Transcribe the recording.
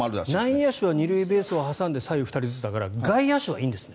内野手は２塁ベースを挟んで左右２人だから外野手はいいんですね。